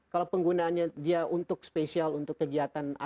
kalau penggunaannya dia untuk spesial untuk kegiatan atau lainnya